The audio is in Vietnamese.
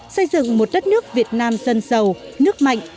xây dựng một đất nước việt nam dân giàu nước mạnh